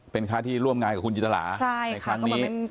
เป็นค่าที่ร่วมงานกับคุณจินตราภูลาภูลาภูลาในครั้งนี้